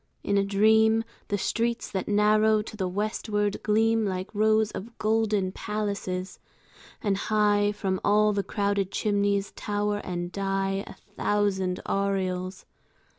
In a dream The streets that narrow to the westward gleam Like rows of golden palaces; and high From all the crowded chimneys tower and die A thousand aureoles.